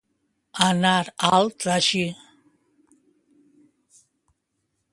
Anar al tragí.